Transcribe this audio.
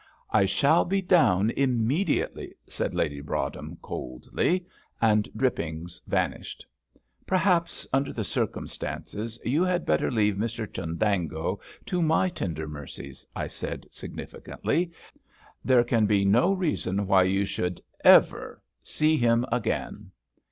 "I shall be down immediately," said Lady Broadhem, coldly; and Drippings vanished. "Perhaps, under the circumstances, you had better leave Mr Chundango to my tender mercies," I said, significantly. "There can be no reason why you should ever see him again."